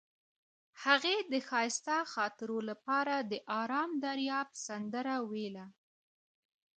هغې د ښایسته خاطرو لپاره د آرام دریاب سندره ویله.